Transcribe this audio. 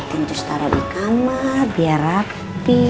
itu cus taro di kamar biar rapi